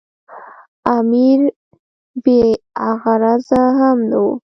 امیر بې غرضه هم نه وو.